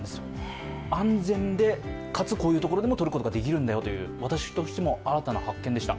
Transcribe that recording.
安全でかつこういうところでも撮ることができると私としても新たな発見でした。